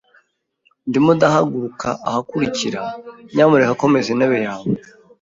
Ndimo ndahaguruka ahakurikira, nyamuneka komeza intebe yawe.